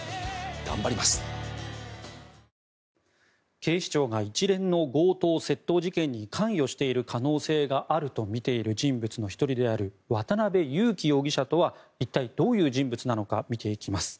警視庁が一連の強盗・窃盗事件に関与している可能性があるとみている人物の１人である渡邉優樹容疑者とは一体どういう人物なのか見ていきます。